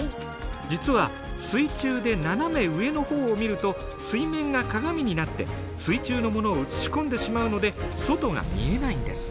実は水中で斜め上の方を見ると水面が鏡になって水中のものを映し込んでしまうので外が見えないんです。